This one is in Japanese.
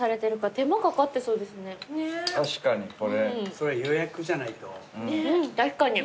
そりゃ予約じゃないと。